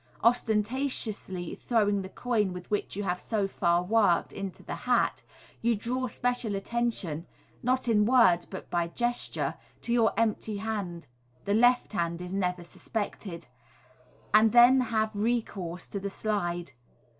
Ostentatiously throwing the coin with which you have so far worked, into the hat, you draw special attention (not in words, but by gesture) to your empty hand (the left hand is never suspected), and then have recourse to the slide.